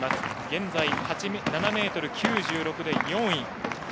現在、７ｍ９６で４位。